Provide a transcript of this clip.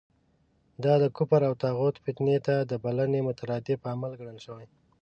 دا د کفر او طاغوت فتنې ته د بلنې مترادف عمل ګڼل شوی.